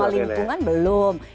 ramah lingkungan belum